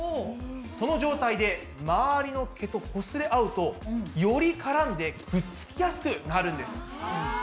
その状態で周りの毛とこすれ合うとより絡んでくっつきやすくなるんです。